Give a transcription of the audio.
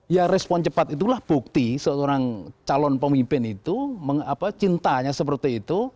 ya respon cepat itulah bukti seorang calon pemimpin itu cintanya seperti itu